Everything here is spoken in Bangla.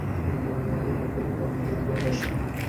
এবার কুকুরটা আপনার দিকে দৌড়ে আসবে।